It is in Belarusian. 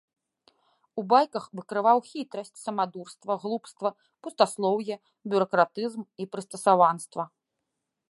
У байках выкрываў хітрасць, самадурства, глупства, пустаслоўе, бюракратызм і прыстасаванства.